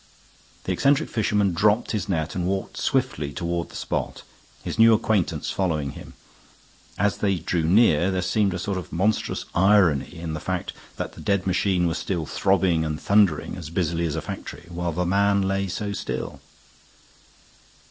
The eccentric fisherman dropped his net and walked swiftly toward the spot, his new acquaintance following him. As they drew near there seemed a sort of monstrous irony in the fact that the dead machine was still throbbing and thundering as busily as a factory, while the man lay so still.